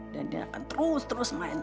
dan dia akan terus terus main